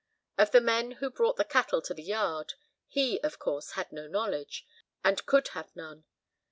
Of the men who brought the cattle to the yard, he, of course, had no knowledge, and could have none.